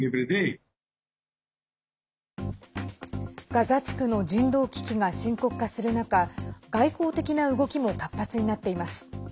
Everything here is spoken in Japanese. ガザ地区の人道危機が深刻化する中外交的な動きも活発になっています。